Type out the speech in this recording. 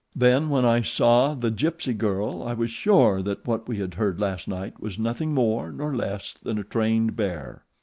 Then when I saw the Gypsy girl I was sure that what we had heard last night was nothing more nor less than a trained bear.